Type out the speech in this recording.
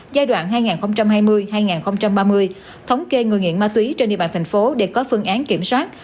giai đoạn hai nghìn hai mươi hai nghìn ba mươi thống kê người nghiện ma túy trên địa bàn thành phố để có phương án kiểm soát